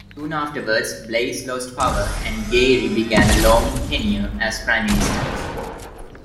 Soon afterwards, Blaize lost power and Gairy began a long tenure as Prime Minister.